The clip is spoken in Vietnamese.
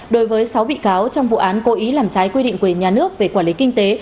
đối với sáu bị cáo trong vụ án cố ý làm trái quy định của nhà nước về quản lý kinh tế